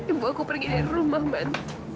ibu aku pergi dari rumah mbak